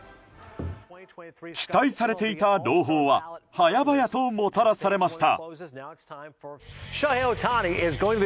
期待されていた朗報は早々ともたらされました。